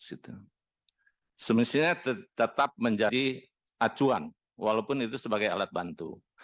semestinya tetap menjadi acuan walaupun itu sebagai alat bantu